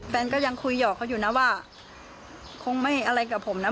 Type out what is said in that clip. แฟนก็ยังคุยหอกเขาอยู่นะว่าคงไม่อะไรกับผมนะ